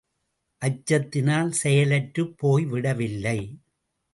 அச்சத்தினால் செயலற்றுப் போய்விடவில்லை.